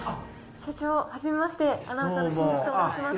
社長、はじめまして、アナウンサーの清水と申します。